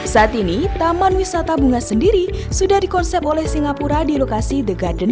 saat ini taman wisata bunga sendiri sudah dikonsepkan